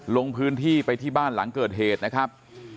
ลงพื้นที่ไปที่บ้านหลังเกิดเหตุนะครับ